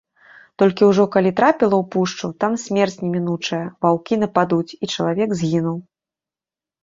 Толькі ўжо, калі трапіла ў пушчу, там смерць немінучая, ваўкі нападуць, і чалавек згінуў.